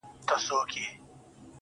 ستا څخه ډېر تـنگ